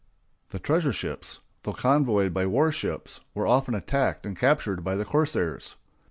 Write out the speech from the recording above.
The treasure ships, though convoyed by war ships, were often attacked and captured by the corsairs.